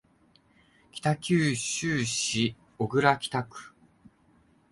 北九州市小倉北区